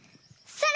それ！